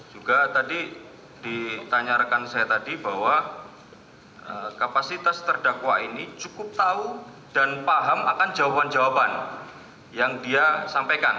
juga tadi ditanya rekan saya tadi bahwa kapasitas terdakwa ini cukup tahu dan paham akan jawaban jawaban yang dia sampaikan